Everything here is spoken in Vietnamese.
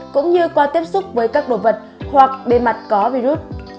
cũng như qua tiếp xúc với các đồ vật hoặc bề mặt có virus